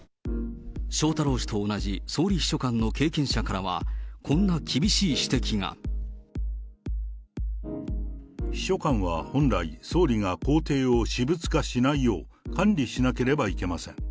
翔太郎氏と同じ総理秘書官の経験者からは、こんな厳しい指摘秘書官は本来、総理が公邸を私物化しないよう、管理しなければいけません。